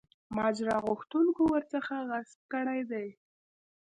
ماجرا غوښتونکو ورڅخه غصب کړی دی.